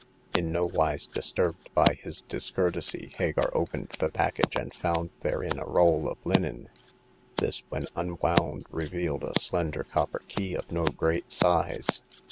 In no wise disturbed by his discourtesy, Hagar opened the package, and found therein a roll of linen ; this, when unwound, revealed a slender copper key of no great size.